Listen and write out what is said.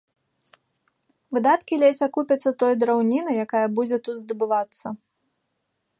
Выдаткі ледзь акупяцца той драўнінай, якая будзе тут здабывацца.